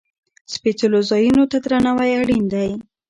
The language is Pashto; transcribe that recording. سپېڅلو ځایونو ته درناوی اړین دی.